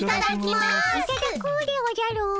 いただくでおじゃる。